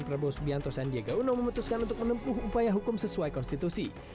prabowo subianto sandiaga uno memutuskan untuk menempuh upaya hukum sesuai konstitusi